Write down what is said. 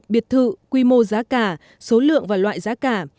biệt thự quy mô giá cả số lượng và loại giá cả